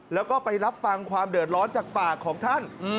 แล้วก็ไปรับฟังความเดือดร้อนจากปากของท่าน